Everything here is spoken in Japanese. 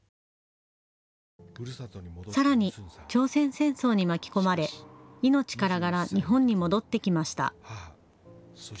さらに朝鮮戦争に巻き込まれ命からがら日本に戻ってきました。